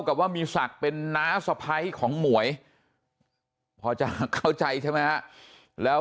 ว่ามีศักดิ์เป็นน้าสะพ้ายของหมวยพอจะเข้าใจใช่ไหมฮะแล้ว